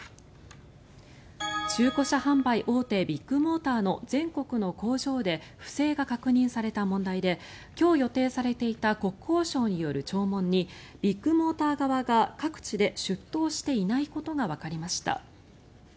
中古車販売大手ビッグモーターの全国の工場で不正が確認された問題で今日予定されていた国交省による聴聞にビッグモーター側が各地で出頭していないことがわかりました。